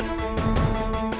tidak ada tanah tanah